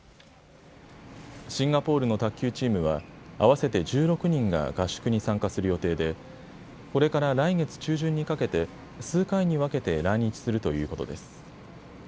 シンガポールの卓球チームは、合わせて１６人が合宿に参加する予定でこれから来月中旬にかけて数回に分けて来日するということです。